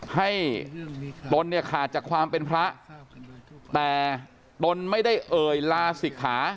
ตนเนี่ยขาดจากความเป็นพระแต่ตนไม่ได้เอ่ยลาศิกขา